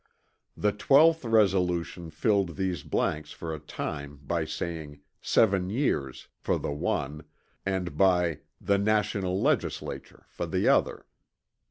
The 12th resolution filled these blanks for a time by saying "seven years" for the one and by "the National legislature" for the other.